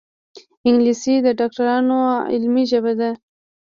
انګلیسي د ډاکټرانو علمي ژبه ده